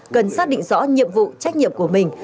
cần xác định rõ nhiệm vụ trách nhiệm của mình